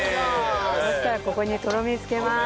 そうしたらここにとろみつけます。